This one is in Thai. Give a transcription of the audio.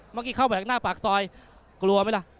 เมื่อกี้เข้าแหวกหน้าปากซอยกลัวไหมล่ะ